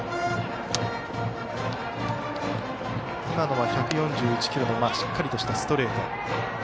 今のは１４１キロのしっかりとしたストレート。